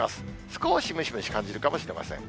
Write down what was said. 少しムシムシ感じるかもしれません。